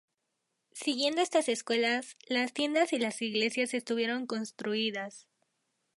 Siguiendo estas escuelas, las tiendas y las iglesias estuvieron construidas.